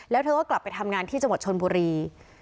แล้วเธอก็กลับไปทำงานที่จังหวัดชนบุรี